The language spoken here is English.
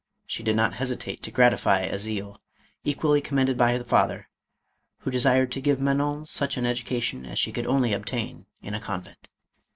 She did not hesitate to gratify a zeal, equally commend ed by the father, who desired to give Man on such an education as she could only obtain in a convent.